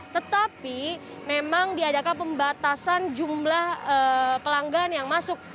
tetapi memang diadakan pembatasan jumlah pelanggan yang masuk